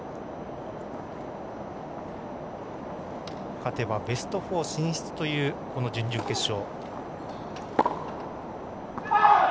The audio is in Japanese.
勝てばベスト４進出というこの準々決勝。